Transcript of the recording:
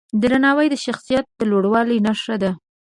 درناوی د شخصیت د لوړوالي نښه ده.